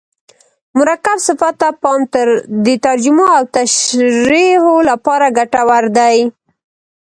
مرکب صفت ته پام د ترجمو او تشریحو له پاره ګټور دئ.